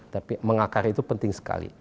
tapi mengakar itu penting sekali